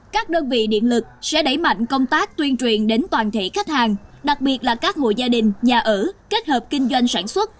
các đơn vị điện lực sẽ đẩy mạnh công tác tuyên truyền đến toàn thể khách hàng đặc biệt là các hộ gia đình nhà ở kết hợp kinh doanh sản xuất